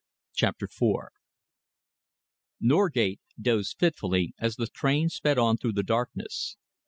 CHAPTER IV Norgate dozed fitfully as the train sped on through the darkness.